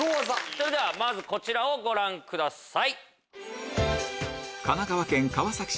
それではまずこちらをご覧ください。